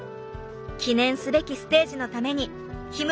記念すべきステージのためにひむ